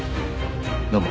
どうも。